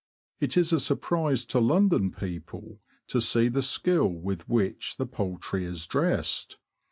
It is a surprise to London people to see the skill with which the poultry is dressed.